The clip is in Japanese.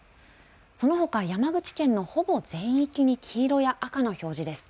そのほか山口県のほぼ全域に黄色や赤の表示です。